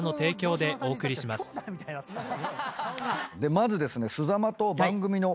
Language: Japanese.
まずですね。